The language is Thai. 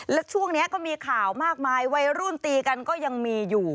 แล้วช่วงนี้ก็มีข่าวมากมายวัยรุ่นตีกันก็ยังมีอยู่